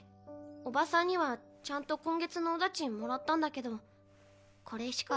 おばさんにはちゃんと今月のお駄賃もらったんだけどこれしか。